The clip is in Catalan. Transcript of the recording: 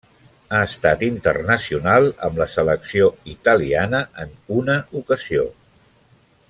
Ha estat internacional amb la selecció italiana en una ocasió.